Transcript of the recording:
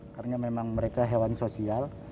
karena memang mereka hewan sosial